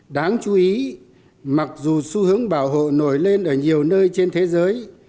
đáng chú ý mặc dù xu hướng bảo hộ nổi lên ở nhiều nơi trên thế giới